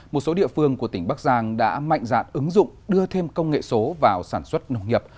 một số địa phương của tỉnh bắc giang đã mạnh dạn ứng dụng đưa thêm công nghệ số vào sản xuất nông nghiệp